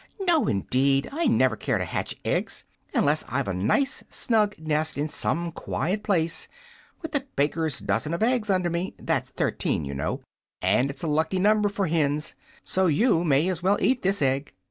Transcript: "No, indeed; I never care to hatch eggs unless I've a nice snug nest, in some quiet place, with a baker's dozen of eggs under me. That's thirteen, you know, and it's a lucky number for hens. So you may as well eat this egg."